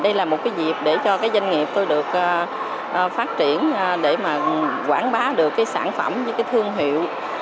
đây là một dịp để cho doanh nghiệp tôi được phát triển để quảng bá được sản phẩm với thương hiệu